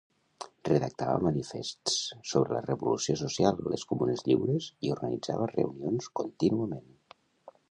Redactava manifests sobre la revolució social, les comunes lliures i organitzava reunions contínuament.